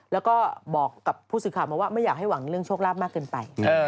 แล้วก็บอกกับผู้สื่อข่าวมาว่าไม่อยากให้หวังเรื่องโชคลาภมากเกินไป